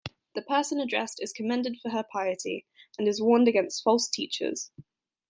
The person addressed is commended for her piety, and is warned against false teachers.